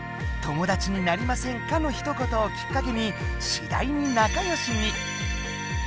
「友達になりませんか！！」のひと言をきっかけにしだいに仲よしに。